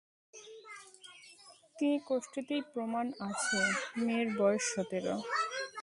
কিন্তু কোষ্ঠীতেই প্রমাণ আছে, মেয়ের বয়স সতেরো।